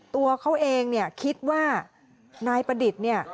ตัวเขาเองเนี่ยคิดว่านายประดิษฐ์เนี่ย